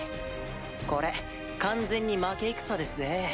これ完全に負け戦ですぜ。